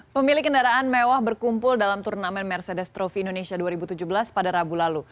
pemilik kendaraan mewah berkumpul dalam turnamen mercedes trofi indonesia dua ribu tujuh belas pada rabu lalu